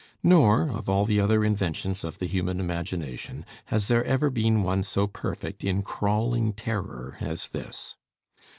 Nor, of all the other inventions of the human imagination, has there ever been one so perfect in crawling terror as this.